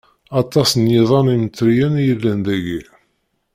Aṭas n yiḍan imneṭriyen i yellan dagi.